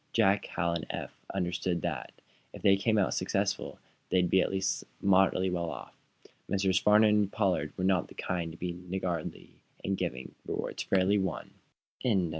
Jack, Hal and Eph well understood that, if they came out successful, they would also be at least moderately well off. Messrs. Farnum and Pollard were not of the kind to be niggardly in giving rewards fairly won. CHAPTER VI JUDAS CO.